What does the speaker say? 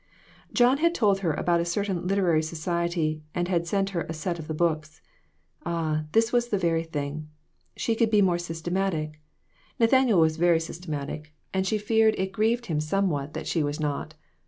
John had told her about a certain literary society, and had sent her a set of the books. Ah, this was the very thing. She could be more sys tematic. Nathaniel was very systematic, and she 2$8 WITHOUT ARE DOGS. feared it had grieved him somewhat that she was not.